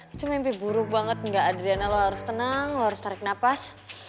itu mimpi buruk banget enggak ada dana lu harus tenang harus tarik napas